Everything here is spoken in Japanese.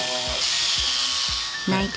［内藤